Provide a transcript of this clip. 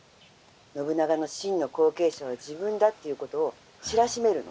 信長の真の後継者は自分だっていうことを知らしめるの。